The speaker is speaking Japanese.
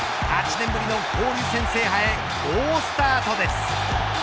８年ぶりの交流戦制覇へ好スタートです。